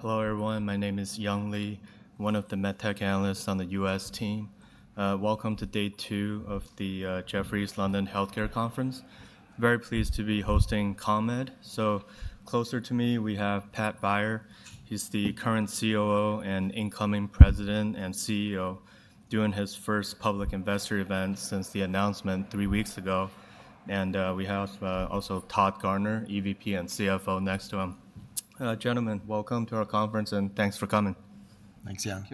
Hello everyone, my name is Young Li, one of the MedTech analysts on the U.S. team. Welcome to Day 2 of the Jefferies London Healthcare Conference. Very pleased to be hosting CONMED. So closer to me, we have Pat Beyer. He's the current COO and incoming President and CEO, doing his first public investor event since the announcement three weeks ago. And we have also Todd Garner, EVP and CFO, next to him. Gentlemen, welcome to our conference and thanks for coming. Thanks, Young.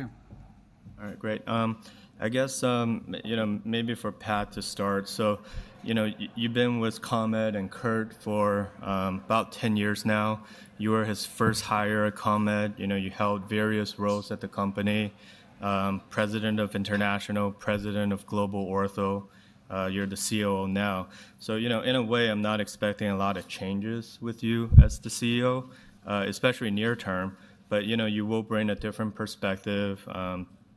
All right, great. I guess, you know, maybe for Pat to start. So, you know, you've been with CONMED and Curt for about 10 years now. You were his first hire at CONMED. You know, you held various roles at the company: president of international, president of global ortho. You're the COO now. So, you know, in a way, I'm not expecting a lot of changes with you as the CEO, especially near term. But, you know, you will bring a different perspective,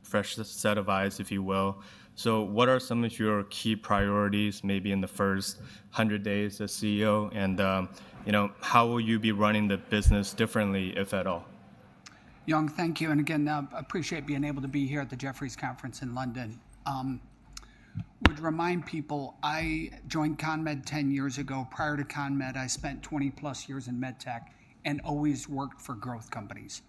fresh set of eyes, if you will. So what are some of your key priorities, maybe in the first 100 days as CEO? And, you know, how will you be running the business differently, if at all? Young, thank you. And again, I appreciate being able to be here at the Jefferies Conference in London. I would remind people, I joined CONMED 10 years ago. Prior to CONMED, I spent 20+ years in MedTech and always worked for growth companies.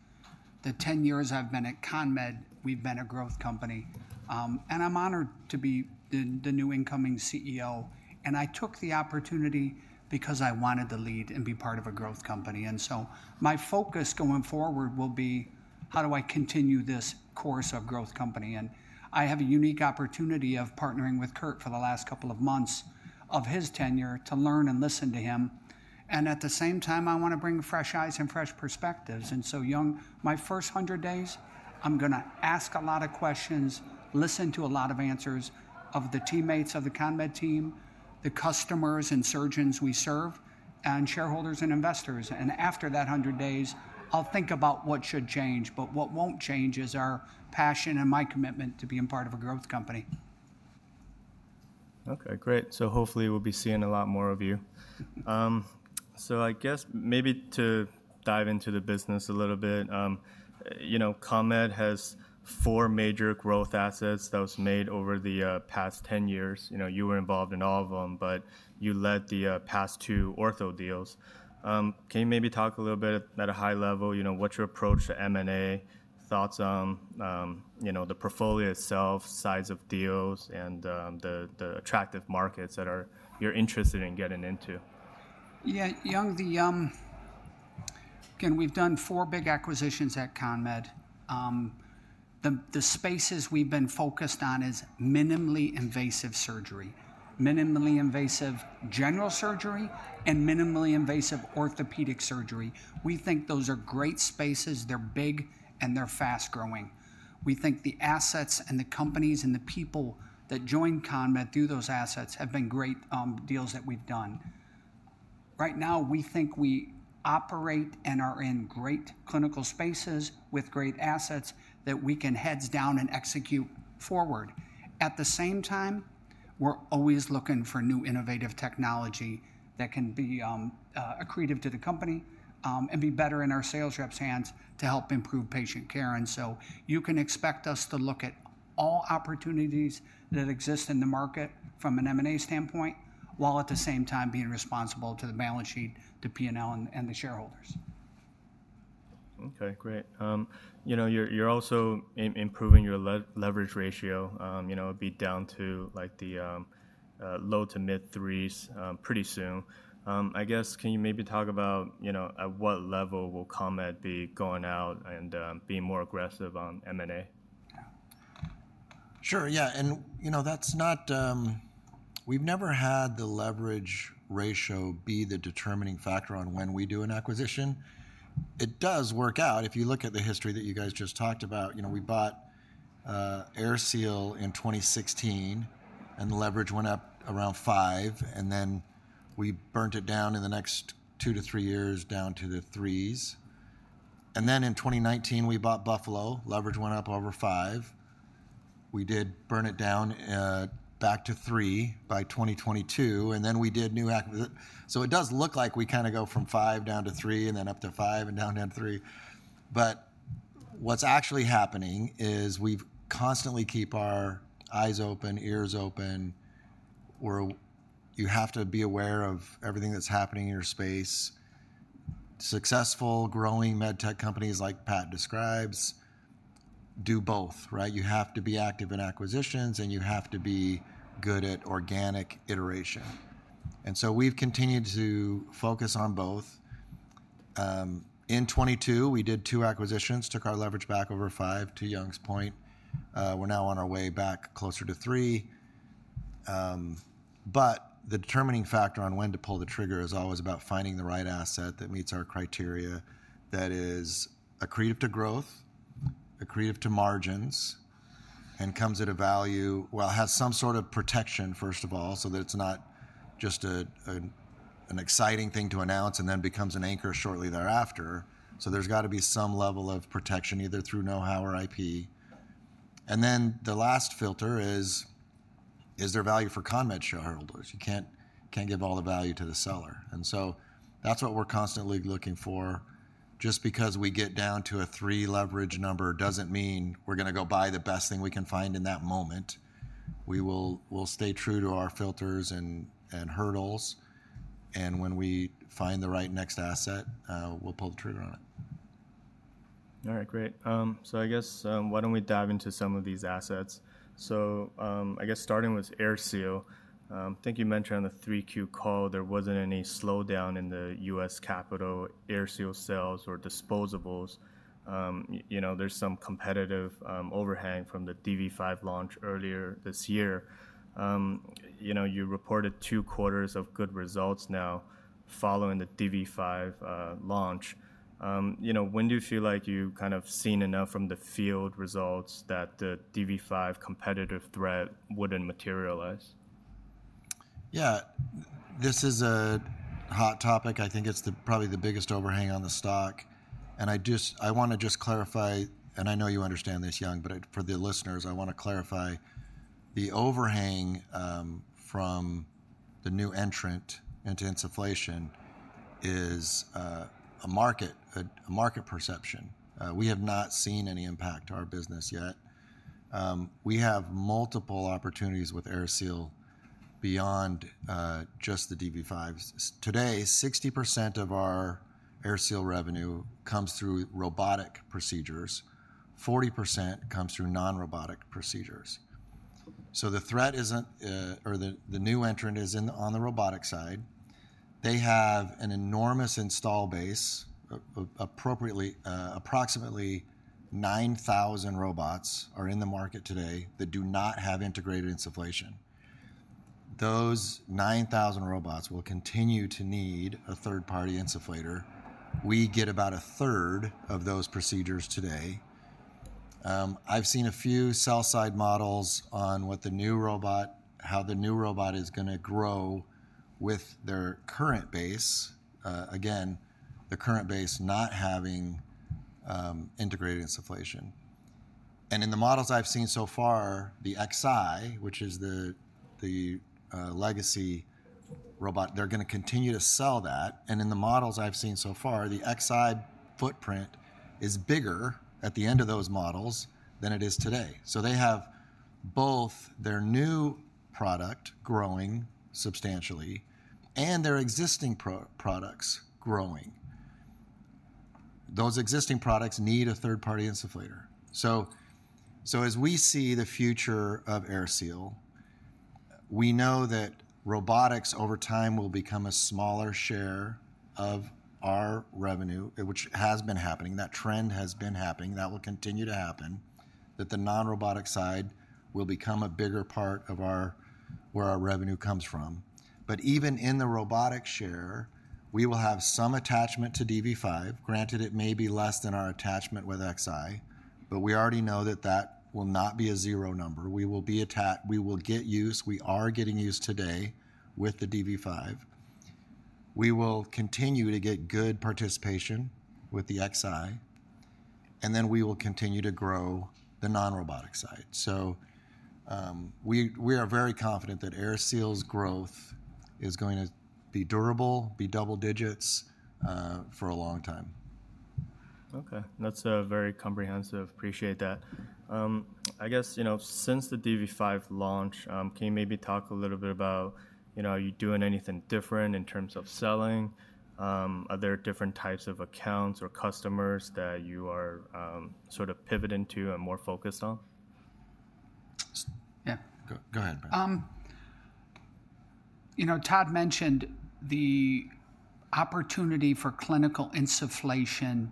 The 10 years I've been at CONMED, we've been a growth company. And I'm honored to be the new incoming CEO. And I took the opportunity because I wanted to lead and be part of a growth company. And so my focus going forward will be, how do I continue this course of growth company? And I have a unique opportunity of partnering with Curt for the last couple of months of his tenure to learn and listen to him. And at the same time, I want to bring fresh eyes and fresh perspectives. And so, Young, my first 100 days, I'm going to ask a lot of questions, listen to a lot of answers of the teammates of the CONMED team, the customers and surgeons we serve, and shareholders and investors. And after that 100 days, I'll think about what should change. But what won't change is our passion and my commitment to being part of a growth company. Okay, great. So hopefully we'll be seeing a lot more of you. So I guess maybe to dive into the business a little bit, you know, CONMED has four major growth assets that was made over the past 10 years. You know, you were involved in all of them, but you led the past two ortho deals. Can you maybe talk a little bit at a high level, you know, what's your approach to M&A, thoughts on, you know, the portfolio itself, size of deals, and the attractive markets that you're interested in getting into? Yeah, Young, again, we've done four big acquisitions at CONMED. The spaces we've been focused on is minimally invasive surgery, minimally invasive general surgery, and minimally invasive orthopedic surgery. We think those are great spaces. They're big and they're fast growing. We think the assets and the companies and the people that joined CONMED through those assets have been great deals that we've done. Right now, we think we operate and are in great clinical spaces with great assets that we can heads down and execute forward. At the same time, we're always looking for new innovative technology that can be accretive to the company and be better in our sales reps' hands to help improve patient care. You can expect us to look at all opportunities that exist in the market from an M&A standpoint, while at the same time being responsible to the balance sheet, the P&L, and the shareholders. Okay, great. You know, you're also improving your leverage ratio. You know, it'll be down to like the low to mid threes pretty soon. I guess, can you maybe talk about, you know, at what level will CONMED be going out and being more aggressive on M&A? Sure, yeah. And, you know, that's not. We've never had the leverage ratio be the determining factor on when we do an acquisition. It does work out. If you look at the history that you guys just talked about, you know, we bought AirSeal in 2016 and the leverage went up around five. And then we burnt it down in the next 2-3 years down to the threes. And then in 2019, we bought Buffalo, leverage went up over five. We did burn it down back to three by 2022. And then we did new acquisitions. So it does look like we kind of go from five down to three and then up to five and down to three. But what's actually happening is we constantly keep our eyes open, ears open. You have to be aware of everything that's happening in your space. Successful, growing MedTech companies, like Pat describes, do both, right? You have to be active in acquisitions and you have to be good at organic iteration. And so we've continued to focus on both. In 2022, we did two acquisitions, took our leverage back over five to Young's point. We're now on our way back closer to three. But the determining factor on when to pull the trigger is always about finding the right asset that meets our criteria that is accretive to growth, accretive to margins, and comes at a value, well, has some sort of protection, first of all, so that it's not just an exciting thing to announce and then becomes an anchor shortly thereafter. So there's got to be some level of protection either through know-how or IP. And then the last filter is, is there value for CONMED shareholders? You can't give all the value to the seller. And so that's what we're constantly looking for. Just because we get down to a three leverage number doesn't mean we're going to go buy the best thing we can find in that moment. We will stay true to our filters and hurdles. And when we find the right next asset, we'll pull the trigger on it. All right, great. So I guess, why don't we dive into some of these assets? So I guess starting with AirSeal, I think you mentioned on the 3Q call, there wasn't any slowdown in the U.S. capital AirSeal sales or disposables. You know, there's some competitive overhang from the DV5 launch earlier this year. You know, you reported two quarters of good results now following the DV5 launch. You know, when do you feel like you've kind of seen enough from the field results that the DV5 competitive threat wouldn't materialize? Yeah, this is a hot topic. I think it's probably the biggest overhang on the stock. And I just, I want to just clarify, and I know you understand this, Young, but for the listeners, I want to clarify the overhang from the new entrant into insufflation is a market perception. We have not seen any impact to our business yet. We have multiple opportunities with AirSeal beyond just the DV5s. Today, 60% of our AirSeal revenue comes through robotic procedures. 40% comes through non-robotic procedures. So the threat isn't, or the new entrant is on the robotic side. They have an enormous installed base, approximately 9,000 robots are in the market today that do not have integrated insufflation. Those 9,000 robots will continue to need a third-party insufflator. We get about a third of those procedures today. I've seen a few sell-side models on what the new robot, how the new robot is going to grow with their current base. Again, the current base not having integrated insufflation. In the models I've seen so far, the Xi, which is the legacy robot, they're going to continue to sell that. In the models I've seen so far, the Xi footprint is bigger at the end of those models than it is today. They have both their new product growing substantially and their existing products growing. Those existing products need a third-party insufflator. As we see the future of AirSeal, we know that robotics over time will become a smaller share of our revenue, which has been happening. That trend has been happening. That will continue to happen. The non-robotic side will become a bigger part of where our revenue comes from. But even in the robotic share, we will have some attachment to DV5, granted it may be less than our attachment with Xi, but we already know that that will not be a zero number. We will be attached, we will get use, we are getting use today with the DV5. We will continue to get good participation with the Xi, and then we will continue to grow the non-robotic side. So we are very confident that AirSeal's growth is going to be durable, be double digits for a long time. Okay, that's very comprehensive. Appreciate that. I guess, you know, since the DV5 launch, can you maybe talk a little bit about, you know, are you doing anything different in terms of selling? Are there different types of accounts or customers that you are sort of pivoting to and more focused on? Yeah, go ahead. You know, Todd mentioned the opportunity for clinical insufflation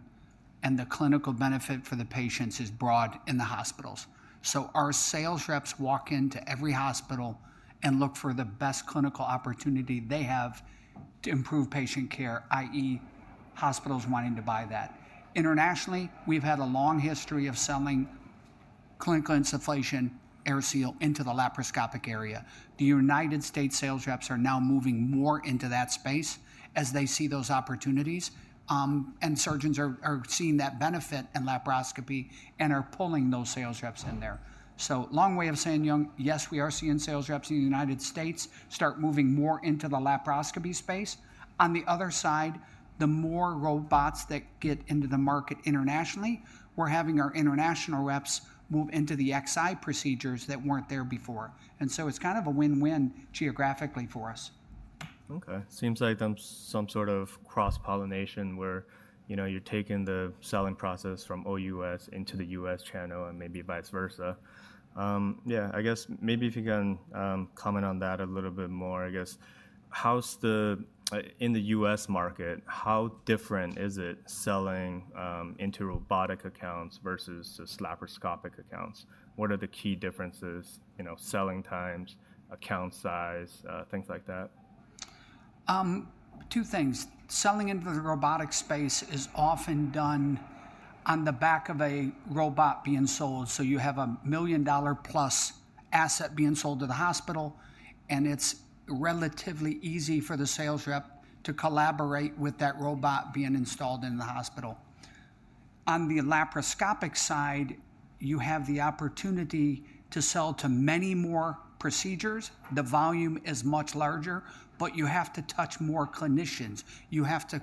and the clinical benefit for the patients is broad in the hospitals. So our sales reps walk into every hospital and look for the best clinical opportunity they have to improve patient care, i.e., hospitals wanting to buy that. Internationally, we've had a long history of selling clinical insufflation, AirSeal into the laparoscopic area. The United States sales reps are now moving more into that space as they see those opportunities, and surgeons are seeing that benefit in laparoscopy and are pulling those sales reps in there. So long way of saying, Young, yes, we are seeing sales reps in the United States start moving more into the laparoscopy space. On the other side, the more robots that get into the market internationally, we're having our international reps move into the Xi procedures that weren't there before. It's kind of a win-win geographically for us. Okay, seems like some sort of cross-pollination where, you know, you're taking the selling process from OUS into the U.S. channel and maybe vice versa. Yeah, I guess maybe if you can comment on that a little bit more, I guess, how's the, in the U.S. market, how different is it selling into robotic accounts versus the laparoscopic accounts? What are the key differences, you know, selling times, account size, things like that? Two things. Selling into the robotic space is often done on the back of a robot being sold. So you have a $1 million+ asset being sold to the hospital, and it's relatively easy for the sales rep to collaborate with that robot being installed in the hospital. On the laparoscopic side, you have the opportunity to sell to many more procedures. The volume is much larger, but you have to touch more clinicians. You have to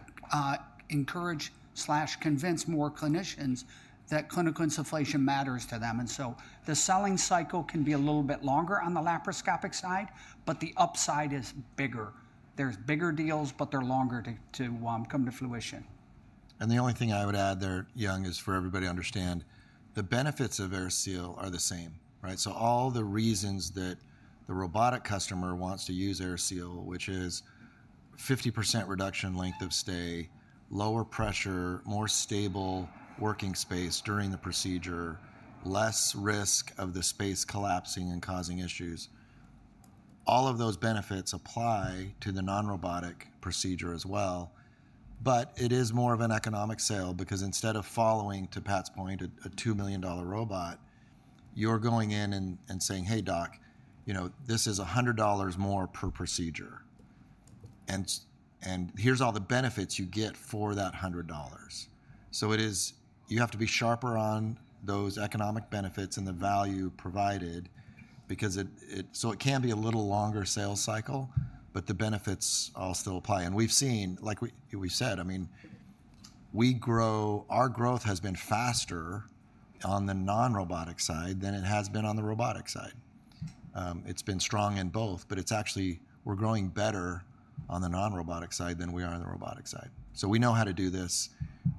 encourage slash convince more clinicians that clinical insufflation matters to them. And so the selling cycle can be a little bit longer on the laparoscopic side, but the upside is bigger. There's bigger deals, but they're longer to come to fruition. And the only thing I would add there, Young, is for everybody to understand the benefits of AirSeal are the same, right? So all the reasons that the robotic customer wants to use AirSeal, which is 50% reduction length of stay, lower pressure, more stable working space during the procedure, less risk of the space collapsing and causing issues. All of those benefits apply to the non-robotic procedure as well. But it is more of an economic sale because instead of following, to Pat's point, a $2 million robot, you're going in and saying, "Hey, doc, you know, this is $100 more per procedure. And here's all the benefits you get for that $100." So it is, you have to be sharper on those economic benefits and the value provided because it, so it can be a little longer sales cycle, but the benefits all still apply. We've seen, like we said, I mean, our growth has been faster on the non-robotic side than it has been on the robotic side. It's been strong in both, but it's actually, we're growing better on the non-robotic side than we are on the robotic side. So we know how to do this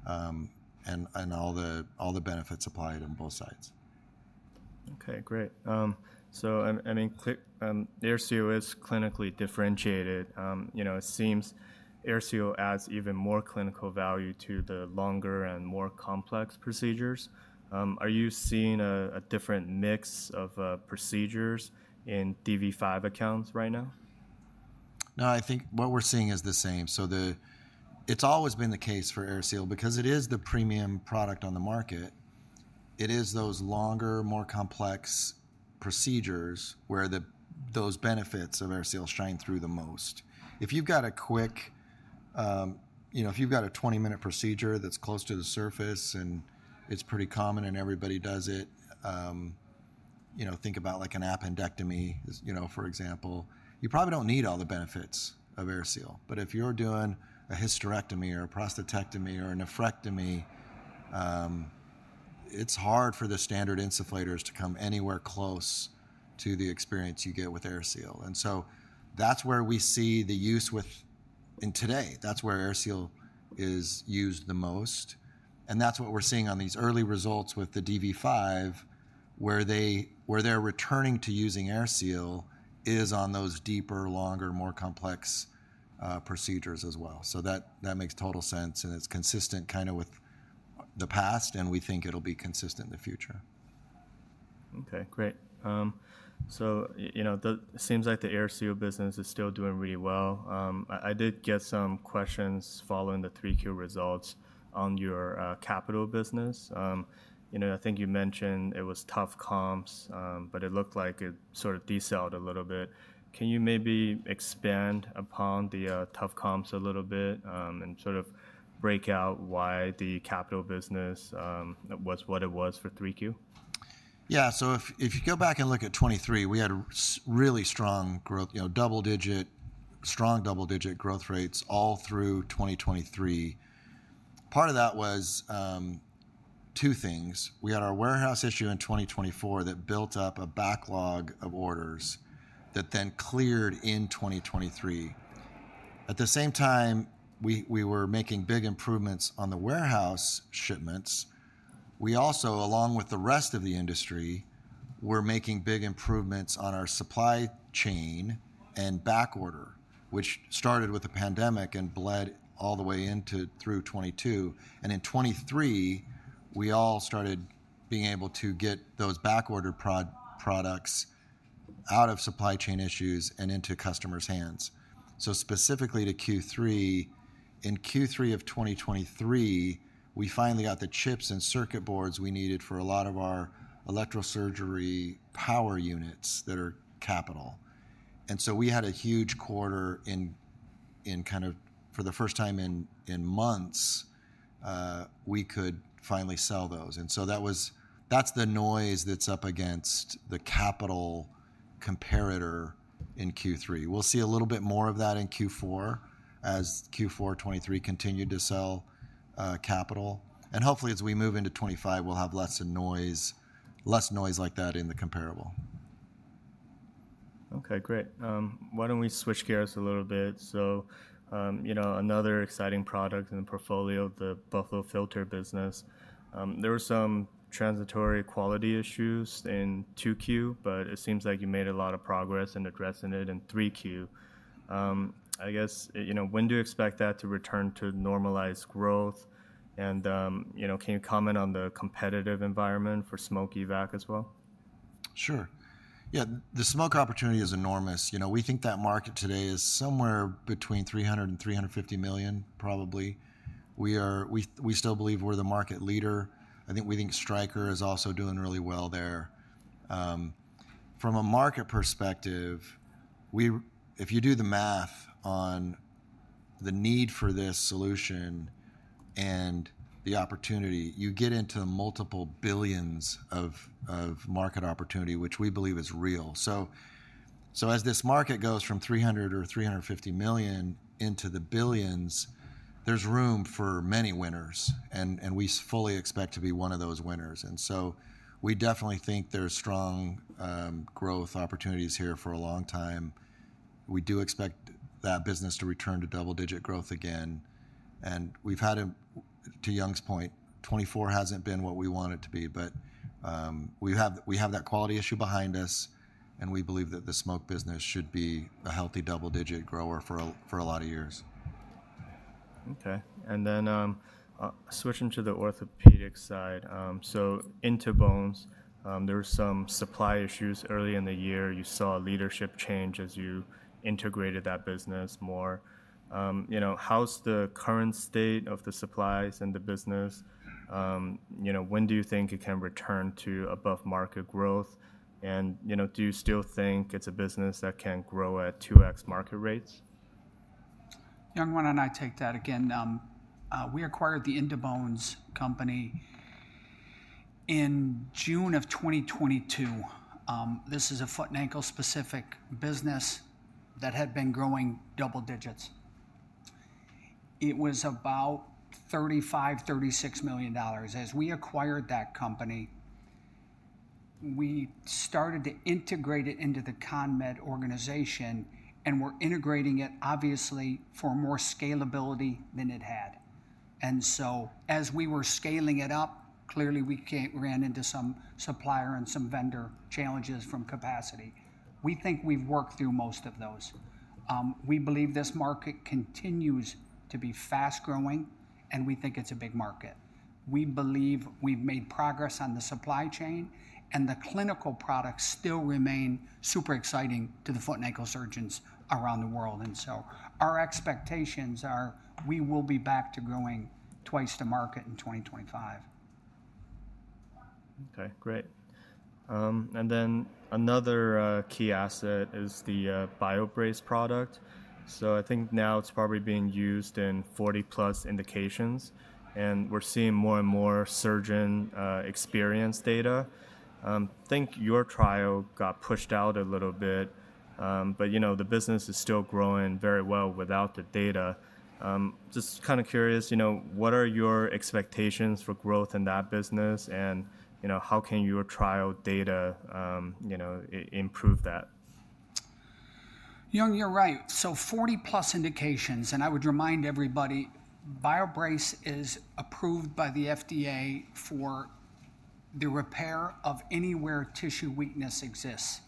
and all the benefits applied on both sides. Okay, great. So I mean, AirSeal is clinically differentiated. You know, it seems AirSeal adds even more clinical value to the longer and more complex procedures. Are you seeing a different mix of procedures in DV5 accounts right now? No, I think what we're seeing is the same. So it's always been the case for AirSeal because it is the premium product on the market. It is those longer, more complex procedures where those benefits of AirSeal shine through the most. If you've got a quick, you know, if you've got a 20-minute procedure that's close to the surface and it's pretty common and everybody does it, you know, think about like an appendectomy, you know, for example, you probably don't need all the benefits of AirSeal. But if you're doing a hysterectomy or a prostatectomy or a nephrectomy, it's hard for the standard insufflators to come anywhere close to the experience you get with AirSeal. And so that's where we see the use with, in today, that's where AirSeal is used the most. That's what we're seeing on these early results with the DV5, where they're returning to using AirSeal, is on those deeper, longer, more complex procedures as well. That makes total sense and it's consistent kind of with the past and we think it'll be consistent in the future. Okay, great. So you know, it seems like the AirSeal business is still doing really well. I did get some questions following the 3Q results on your capital business. You know, I think you mentioned it was tough comps, but it looked like it sort of decelerated a little bit. Can you maybe expand upon the tough comps a little bit and sort of break out why the capital business was what it was for 3Q? Yeah, so if you go back and look at 2023, we had really strong growth, you know, double-digit, strong double-digit growth rates all through 2023. Part of that was two things. We had our warehouse issue in 2024 that built up a backlog of orders that then cleared in 2023. At the same time, we were making big improvements on the warehouse shipments. We also, along with the rest of the industry, were making big improvements on our supply chain and backorder, which started with the pandemic and bled all the way into and through 2022, and in 2023, we all started being able to get those backorder products out of supply chain issues and into customers' hands, so specifically to Q3, in Q3 of 2023, we finally got the chips and circuit boards we needed for a lot of our electrosurgery power units that are capital. And so we had a huge quarter in kind of, for the first time in months, we could finally sell those. And so that was. That's the noise that's up against the capital comparator in Q3. We'll see a little bit more of that in Q4 as Q4 2023 continued to sell capital. And hopefully as we move into 2025, we'll have less noise, less noise like that in the comparable. Okay, great. Why don't we switch gears a little bit? So, you know, another exciting product in the portfolio, the Buffalo Filter business. There were some transitory quality issues in Q2, but it seems like you made a lot of progress in addressing it in 3Q. I guess, you know, when do you expect that to return to normalized growth? And you know, can you comment on the competitive environment for smoke evac as well? Sure. Yeah, the smoke opportunity is enormous. You know, we think that market today is somewhere between $300 million-$350 million, probably. We are, we still believe we're the market leader. I think we think Stryker is also doing really well there. From a market perspective, if you do the math on the need for this solution and the opportunity, you get into multiple billions of market opportunity, which we believe is real. So as this market goes from $300 million-$350 million into the billions, there's room for many winners. And we fully expect to be one of those winners. And so we definitely think there's strong growth opportunities here for a long time. We do expect that business to return to double-digit growth again. And we've had, to Young's point, 2024 hasn't been what we want it to be, but we have that quality issue behind us. We believe that the smoke business should be a healthy double-digit grower for a lot of years. Okay. And then switching to the orthopedic side. So In2Bones, there were some supply issues early in the year. You saw leadership change as you integrated that business more. You know, how's the current state of the supplies and the business? You know, when do you think it can return to above market growth? And you know, do you still think it's a business that can grow at 2x market rates? Young Li and I take that again. We acquired the In2Bones company in June of 2022. This is a foot and ankle specific business that had been growing double digits. It was about $35 million-$36 million. As we acquired that company, we started to integrate it into the CONMED organization and we're integrating it, obviously, for more scalability than it had. And so as we were scaling it up, clearly we ran into some supplier and some vendor challenges from capacity. We think we've worked through most of those. We believe this market continues to be fast growing and we think it's a big market. We believe we've made progress on the supply chain and the clinical products still remain super exciting to the foot and ankle surgeons around the world. And so our expectations are we will be back to growing twice the market in 2025. Okay, great. And then another key asset is the BioBrace product. So I think now it's probably being used in 40+ indications and we're seeing more and more surgeon experience data. I think your trial got pushed out a little bit, but you know, the business is still growing very well without the data. Just kind of curious, you know, what are your expectations for growth in that business and you know, how can your trial data, you know, improve that? Young, you're right. So 40+ indications and I would remind everybody, BioBrace is approved by the FDA for the repair of anywhere tissue weakness exists.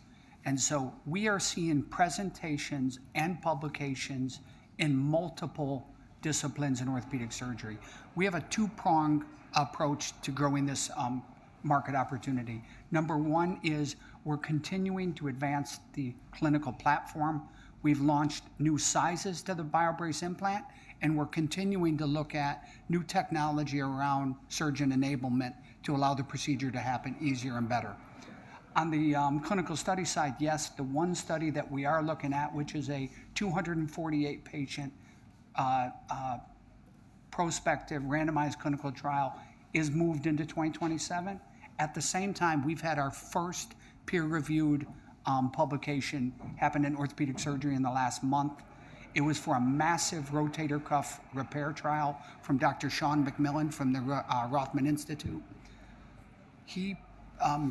And so we are seeing presentations and publications in multiple disciplines in orthopedic surgery. We have a two-pronged approach to growing this market opportunity. Number one is we're continuing to advance the clinical platform. We've launched new sizes to the BioBrace implant and we're continuing to look at new technology around surgeon enablement to allow the procedure to happen easier and better. On the clinical study side, yes, the one study that we are looking at, which is a 248 patient prospective randomized clinical trial, is moved into 2027. At the same time, we've had our first peer-reviewed publication happen in orthopedic surgery in the last month. It was for a massive rotator cuff repair trial from Dr. Sean McMillan from the Rothman Institute. He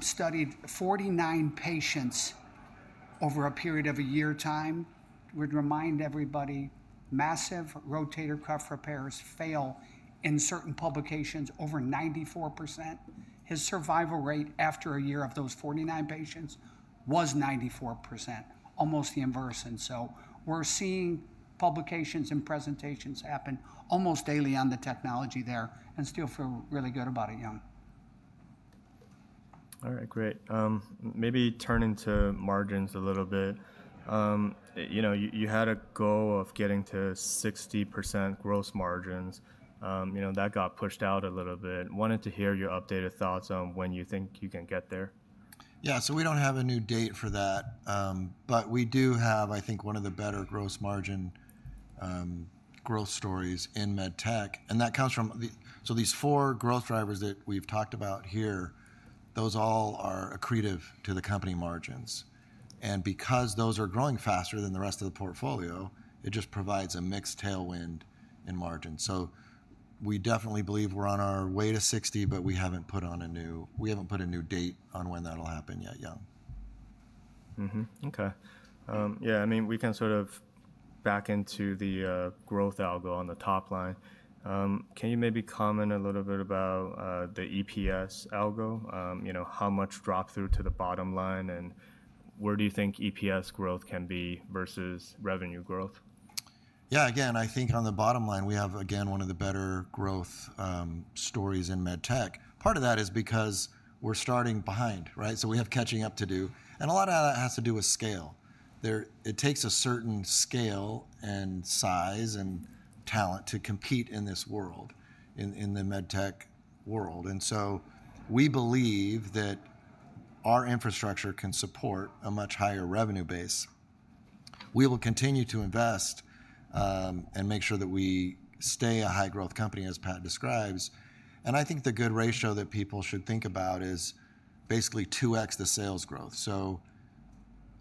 studied 49 patients over a period of a year time. I would remind everybody, massive rotator cuff repairs fail in certain publications over 94%. His survival rate after a year of those 49 patients was 94%, almost the inverse, and so we're seeing publications and presentations happen almost daily on the technology there and still feel really good about it, Young. All right, great. Maybe turning to margins a little bit. You know, you had a goal of getting to 60% gross margins. You know, that got pushed out a little bit. Wanted to hear your updated thoughts on when you think you can get there. Yeah, so we don't have a new date for that, but we do have, I think, one of the better gross margin growth stories in MedTech. And that comes from, so these four growth drivers that we've talked about here, those all are accretive to the company margins. And because those are growing faster than the rest of the portfolio, it just provides a mixed tailwind in margins. So we definitely believe we're on our way to 60, but we haven't put a new date on when that'll happen yet, Young. Okay. Yeah, I mean, we can sort of back into the growth algo on the top line. Can you maybe comment a little bit about the EPS algo, you know, how much drop through to the bottom line and where do you think EPS growth can be versus revenue growth? Yeah, again, I think on the bottom line, we have again one of the better growth stories in MedTech. Part of that is because we're starting behind, right, so we have catching up to do, and a lot of that has to do with scale. It takes a certain scale and size and talent to compete in this world, in the MedTech World, and so we believe that our infrastructure can support a much higher revenue base. We will continue to invest and make sure that we stay a high growth company, as Pat describes, and I think the good ratio that people should think about is basically 2x the sales growth, so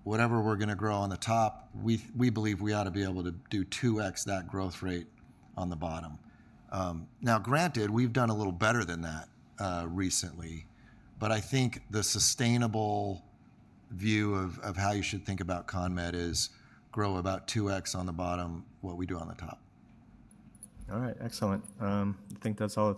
whatever we're going to grow on the top, we believe we ought to be able to do 2x that growth rate on the bottom. Now, granted, we've done a little better than that recently, but I think the sustainable view of how you should think about CONMED is grow about 2x on the bottom what we do on the top. All right, excellent. I think that's all.